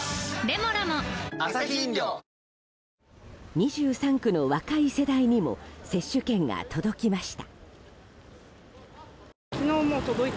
２３区の若い世代にも接種券が届きました。